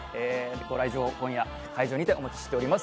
ご来場、今夜、会場にてお待ちしております。